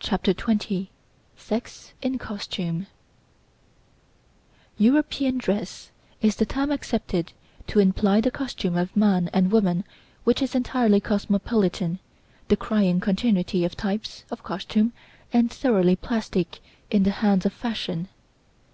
CHAPTER XX SEX IN COSTUMING "European dress" is the term accepted to imply the costume of man and woman which is entirely cosmopolitan, decrying continuity of types (of costume) and thoroughly plastic in the hands of fashion.